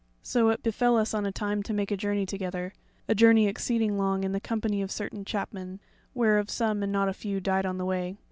So it befell us on a time to make a journey together, a journey exceeding long, in the company of certain chapmen, whereof some, and not a few, died on the way.